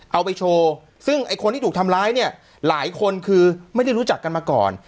เอาไปโชว์ซึ่งไอ้คนที่ถูกทำร้ายเนี่ยหลายคนคือไม่ได้รู้จักกันมาก่อน